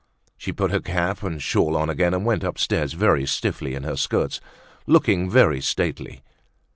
She put her cap and shawl on again and went upstairs very stiffly in her skirts, looking very stately.